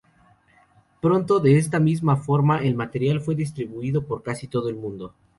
Pronto, de esta misma forma, el material fue distribuido por casi todo el mundo.